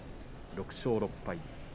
６勝６敗。